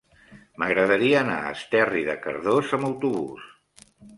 M'agradaria anar a Esterri de Cardós amb autobús.